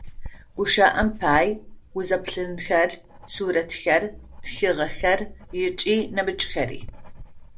Гущыӏэм пае, узэплъынхэр, сурэтхэр, тхыгъэхэр ыкӏи нэмыкӏхэри.